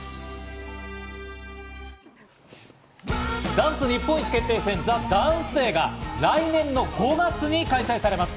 ダンス日本一決定戦『ＴＨＥＤＡＮＣＥＤＡＹ』が来年の５月に開催されます。